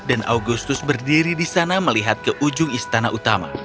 dan agustus berdiri di sana melihat ke ujung istana utama